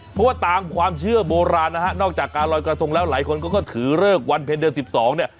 เพราะว่าตามความเชื่อโบราณนะฮะนอกจากการลอยกระทงแล้วหลายคนก็ถือเลิกวันเพลงเดือน๑๒เนี่ย